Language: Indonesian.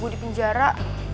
gue di penjara